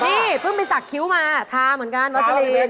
นี่เพิ่งไปสักคิ้วมาทาเหมือนกันวัสลิน